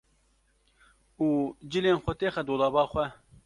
û cilên xwe têxe dolaba xwe.